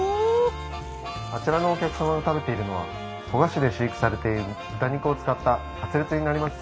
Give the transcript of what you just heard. あちらのお客様が食べているのは古河市で飼育されている豚肉を使ったカツレツになります。